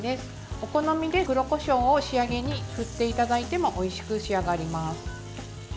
お好みで黒こしょうを仕上げに振っていただいてもおいしく仕上がります。